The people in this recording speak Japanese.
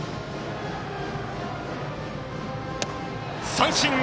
三振！